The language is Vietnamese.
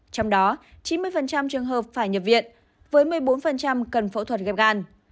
trong đó chín mươi trường hợp phải nhập viện với một mươi bốn cần phẫu thuật ghép gan